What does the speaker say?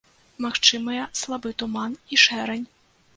Магчымыя слабы туман і шэрань.